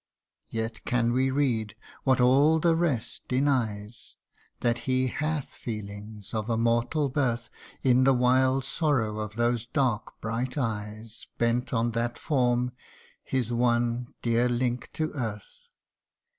Yet can we read, what all the rest denies, That he hath feelings of a mortal birth, In the wild sorrow of those dark bright eyes, Bent on that form his one dear link to earih.